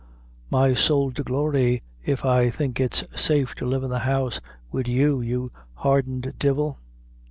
"My sowl to glory, if I think its safe to live in the house wid you, you hardened divil."